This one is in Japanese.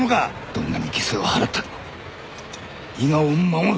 どんなに犠牲を払ってでも伊賀を守る。